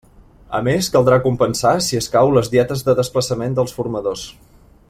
A més, caldrà compensar, si escau, les dietes de desplaçament dels formadors.